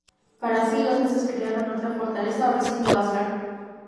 Para sí, los Ases crearon otra fortaleza o recinto, Asgard.